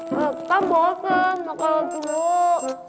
kan bosan kalau dulu